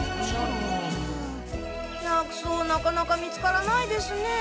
薬草なかなか見つからないですね。